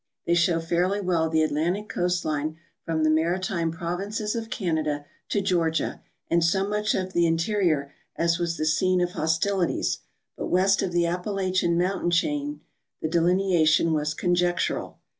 The}" show fairly well the Atlantic coast line from the maritime provinces of Canada to Georgia, and so much of the interior as was the scene of hostil ities ; but west of the Appalachian mountain chain the delinea tion was conjectural.